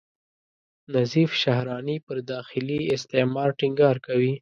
نظیف شهراني پر داخلي استعمار ټینګار کوي.